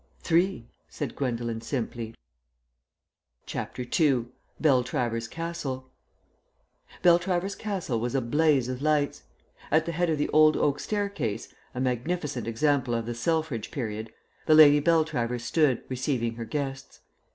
"Three," said Gwendolen simply. CHAPTER II BELTRAVERS CASTLE Beltravers Castle was a blaze of lights. At the head of the old oak staircase (a magnificent example of the Selfridge period) the Lady Beltravers stood receiving her guests.